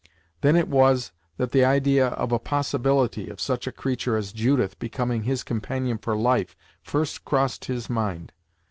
Then it was that the idea of the possibility of such a creature as Judith becoming his companion for life first crossed his mind.